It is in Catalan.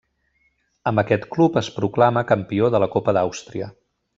Amb aquest club es proclama campió de la Copa d'Àustria.